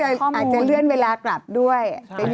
อาจจะเลื่อนเวลากลับด้วย